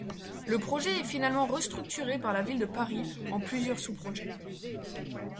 Le projet est finalement restructuré par la Ville de Paris en plusieurs sous-projets.